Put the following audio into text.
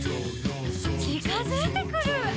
「ちかづいてくる！」